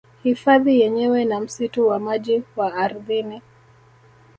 Hifadhi yenyewe na msitu wa maji wa ardhini